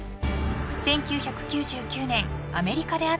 ［１９９９年アメリカであった事件］